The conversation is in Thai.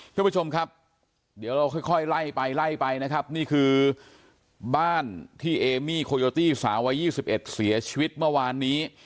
ทุกผู้ชมครับเดี๋ยวเราค่อยไล่ไปไล่ไปนะครับนี่คือบ้านที่เอมี่โคโยตี้สาววัย๒๑เสียชีวิตเมื่อวานนี้